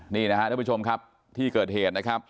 นี่นะครับท่านผู้ชมครับที่เกิดเหตุนะครับ